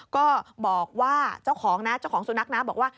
ก็บอกว่าเจ้าของนะเจ้าของสุนัขนะบอกว่า